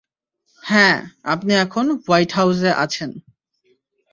হ্যাঁ, আপনি এখন হোয়াইট হাউসে আছেন!